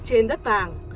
trên đất vàng